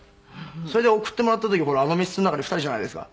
「それで送ってもらった時ほらあの密室の中で２人じゃないですか」